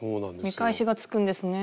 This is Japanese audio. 見返しがつくんですね。